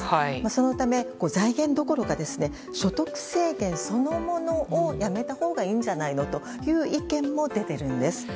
そのため、財源どころか所得制限そのものをやめたほうがいいんじゃないのという意見も出ているんです。